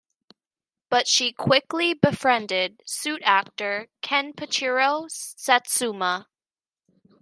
But she quickly befriended suit-actor Kenpachiro Satsuma.